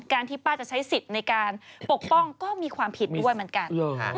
ที่ป้าจะใช้สิทธิ์ในการปกป้องก็มีความผิดด้วยเหมือนกัน